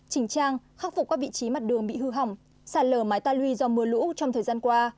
năm chỉnh trang khắc phục các vị trí mặt đường bị hư hỏng xả lờ mái ta lùi do mưa lũ trong thời gian qua